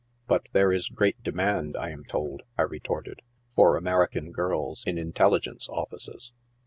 " But there is great demand, I am told," I retorted, " for Ameri can girls in intelligence offices.